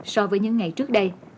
so với những ngày trước đây